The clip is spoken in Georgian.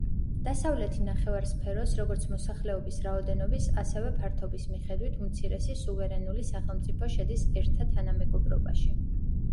დასავლეთი ნახევარსფეროს, როგორც მოსახლეობის რაოდენობის ასევე ფართობის მიხედვით უმცირესი სუვერენული სახელმწიფო, შედის ერთა თანამეგობრობაში.